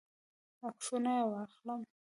عکسونه یې واخلم.